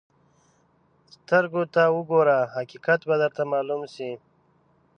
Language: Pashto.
سترګو ته وګوره، حقیقت به درته معلوم شي.